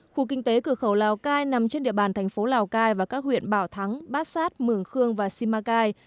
khu kinh tế cửa khẩu lào cai nằm trên địa bàn thành phố lào cai và các huyện bảo thắng bát sát mường khương và simacai